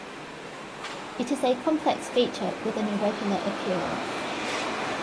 It is a complex feature with an irregular appearance.